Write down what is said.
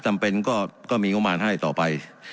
จำเป็นก็มีงบมารให้ต่อไป